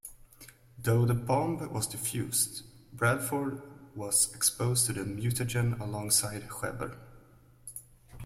Though the bomb was defused, Bradford was exposed to the mutagen alongside Xever.